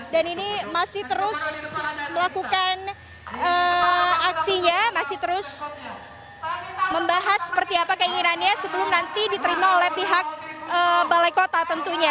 dan ini masih terus melakukan aksinya masih terus membahas seperti apa keinginannya sebelum nanti diterima oleh pihak balai kota tentunya